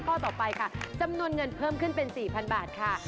ข้อต่อไปค่ะจำนวนเงินเพิ่มขึ้นเป็น๔๐๐๐บาทค่ะ